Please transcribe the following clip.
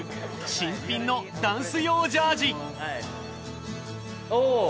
新品のダンス用ジャージ。